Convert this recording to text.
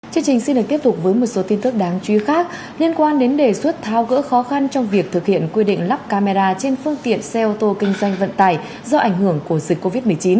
chương trình xin được tiếp tục với một số tin tức đáng chú ý khác liên quan đến đề xuất thao gỡ khó khăn trong việc thực hiện quy định lắp camera trên phương tiện xe ô tô kinh doanh vận tải do ảnh hưởng của dịch covid một mươi chín